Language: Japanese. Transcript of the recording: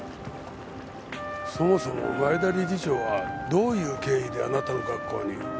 そもそも前田理事長はどういう経緯であなたの学校に？